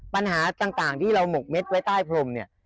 ปัญหาต่างที่เราหมกเม็ดไว้ใต้พรมเนี่ย